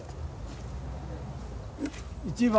１番。